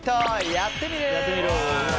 「やってみる。」。